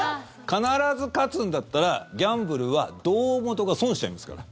必ず勝つんだったらギャンブルは胴元が損しちゃいますから。